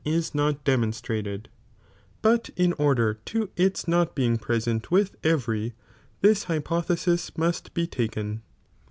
i§ not demonstrated,' but in order lo ita not bi'ing present with every, this hypothesis must be taken.'